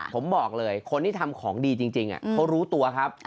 ผมบอกเลยคนที่ทำของดีจริงเขารู้ตัวครับ